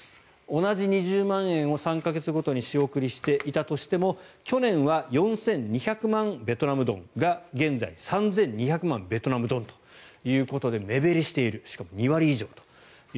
同じ２０万円を３か月ごとに仕送りしていたとしても去年は４２００万ベトナムドンが現在、３２００万ベトナムドンということで目減りしているしかも２割以上と。